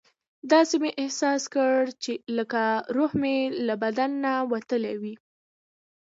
داسې مې احساس کړه لکه روح مې له بدنه وتلی وي.